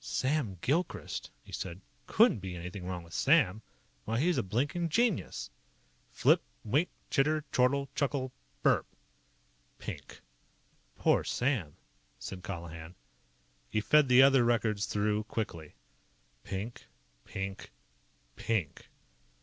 "Sam Gilchrist," he said. "Couldn't be anything wrong with Sam. Why, he's a blinkin' genius!" Flip. Wink. Chitter. Chortle. Chuckle. BURP! Pink. "Poor Sam!" said Colihan. He fed the other records through quickly. Pink. Pink. PINK.